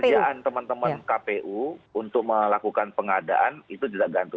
pekerjaan teman teman kpu untuk melakukan pengadaan itu tidak gantung